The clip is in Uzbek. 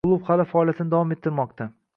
Klub hali faoliyatini davom ettirmoqda.